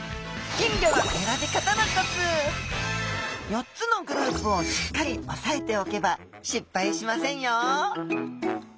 ４つのグループをしっかり押さえておけば失敗しませんよ